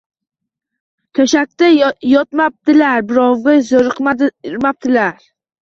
To‘shakda yotmabdilar, birovga zoriqmabdilar.